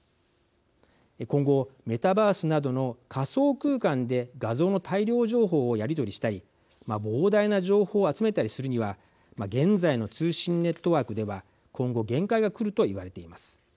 今後メタバースなどの仮想空間で画像の大量情報をやり取りしたり膨大な情報を集めたりするには現在の通信ネットワークでは今後限界が来るといわれています。